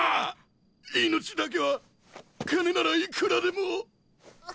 命だけは金ならいくらでも。あう。